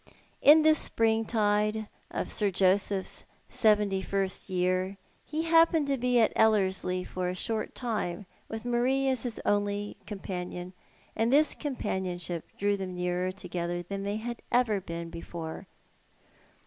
In tliis springtide of Sir Joseph's seventy first year, ho happened to be at lilllerslie for a short time, with ^larie as his only companion, and tliis companionship drew them nearer together than they had ever been before.